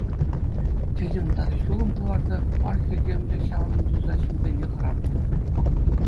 Тӗтӗм тата ҫулӑм кӑларса, кӑвар хӗлхемлӗ ҫаврӑм туса ҫынсене хӑратнӑ.